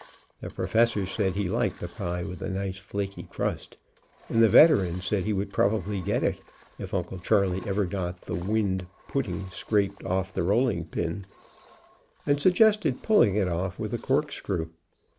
The Professor said he liked a pie with a nice flaky crust, and the Veteran said he would probably get it, if Uncle Charley ever got that wind pudding scraped off the rolling pin, and suggested pulling it off with a corkscrew.